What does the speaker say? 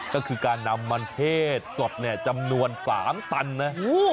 ก็คือการนำมันเทศสดเนี่ยจำนวน๓ตันนะ